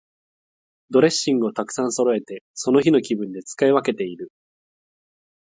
ドレッシングをたくさんそろえて、その日の気分で使い分けている。